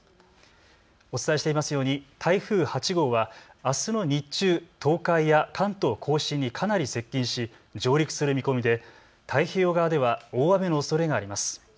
お伝えしていますように台風８号はあすの日中、東海や関東甲信にかなり接近し上陸する見込みで太平洋側では大雨のおそれがあります。